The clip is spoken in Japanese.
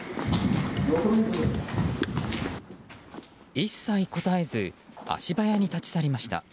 一切答えず足早に立ち去りました。